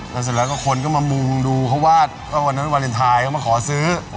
แล้วเสร็จแล้วก็คนก็มามุงดูเขาวาดวันนั้นวาเลนไทยเขามาขอซื้อ